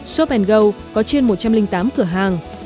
shophen go có trên một trăm linh tám cửa hàng